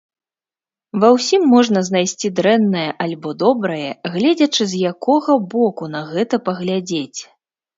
Ва ўсім можна знайсці дрэннае альбо добрае, гледзячы з якога боку на гэта паглядзець.